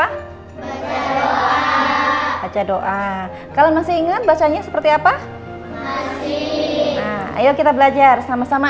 baca doa kalau masih ingat bacanya seperti apa ayo kita belajar sama sama